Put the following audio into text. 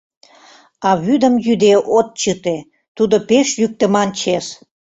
А вӱдым йӱде от чыте, тудо пеш йӱктыман чес.